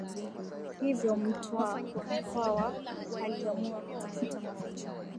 Hivyo mtwa mkwawa aliamua kutafuta maficho